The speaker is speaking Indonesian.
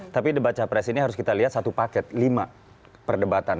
tapi debat capres ini harus kita lihat satu paket lima perdebatan